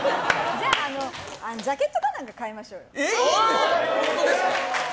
じゃあジャケットか何か買いましょうよ。